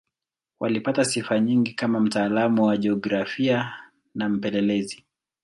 Alipata sifa nyingi kama mtaalamu wa jiografia na mpelelezi.